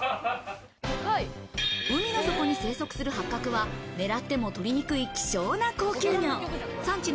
海の底に生息するハッカクは、ねらってもとれにくい希少な高級魚。